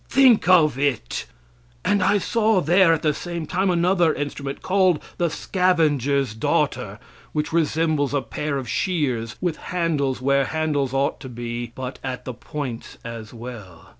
Think of it! And I saw there at the same time another instrument, called "the scavenger's daughter," which resembles a pair of shears, with handles where handles ought to be, but at the points as well.